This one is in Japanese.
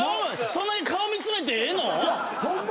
そんなに顔見つめてええの⁉ホンマ！